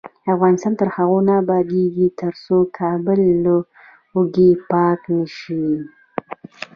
افغانستان تر هغو نه ابادیږي، ترڅو کابل له لوګیو پاک نشي.